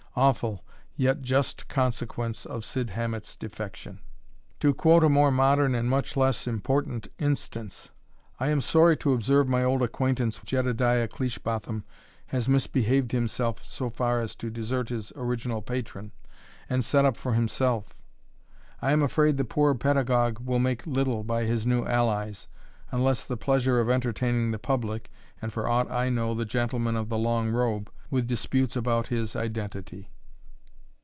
Awful, yet just consequence of Cid Hamet's defection! To quote a more modern and much less important instance. I am sorry to observe my old acquaintance Jedediah Cleishbotham has misbehaved himself so far as to desert his original patron, and set up for himself. I am afraid the poor pedagogue will make little by his new allies, unless the pleasure of entertaining the public, and, for aught I know, the gentlemen of the long robe, with disputes about his identity.